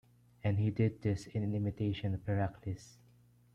And he did this in imitation of Heracles.